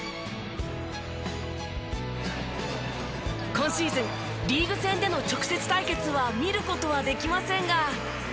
今シーズンリーグ戦での直接対決は見る事はできませんが。